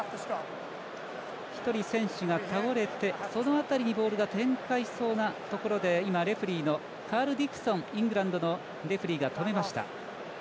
１人、選手が倒れて、その辺りにモールが展開しそうなところでレフリーのカール・ディクソンイングランドのレフリーが止めました。